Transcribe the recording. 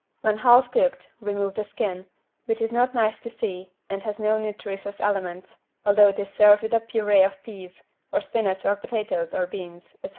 When half cooked remove the skin, which is not nice to see and has no nutritious elements, although it is served with a purée of peas, or spinach or potatoes or beans, etc.